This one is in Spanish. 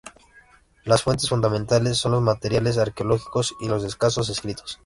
Las fuentes fundamentales son los materiales arqueológicos, y los escasos escritos.